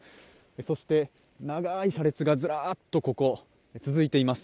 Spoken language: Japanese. そして長い車列がずらっとここ続いています。